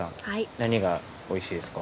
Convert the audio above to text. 何がおいしいですか？